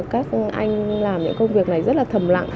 các anh làm những công việc này rất là thầm lặng